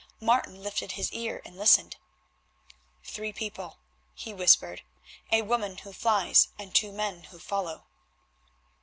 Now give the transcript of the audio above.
Martin lifted his ear and listened. "Three people," he whispered; "a woman who flies and two men who follow."